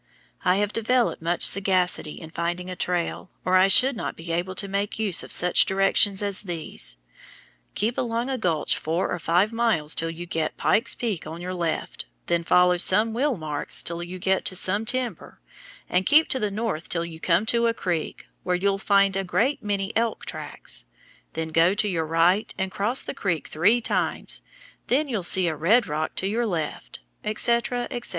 I have developed much sagacity in finding a trail, or I should not be able to make use of such directions as these: "Keep along a gulch four or five miles till you get Pike's Peak on your left, then follow some wheel marks till you get to some timber, and keep to the north till you come to a creek, where you'll find a great many elk tracks; then go to your right and cross the creek three times, then you'll see a red rock to your left," etc., etc.